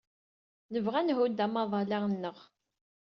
Nebɣa ad nḥudd amaḍal-a-nneɣ.